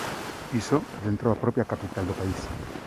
Iso dentro da propia capital do país.